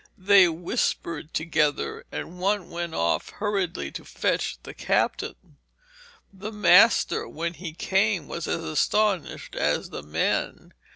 They whispered together, and one went off hurriedly to fetch the captain. The master, when he came, was as astonished as the men.